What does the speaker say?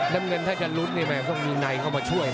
น้ำเงินถ้าจะลุดเนี่ยแม่งต้องมีนายเข้ามาช่วย